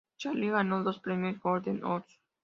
Charlie ganó dos premios Golden Horse.